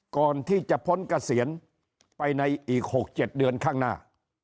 ก่อนที่จะพ้นเกษียณไปในอีก๖๗เดือนข้างหน้า